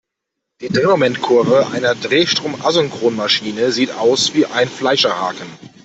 Die Drehmomentkurve einer Drehstrom-Asynchronmaschine sieht aus wie ein Fleischerhaken.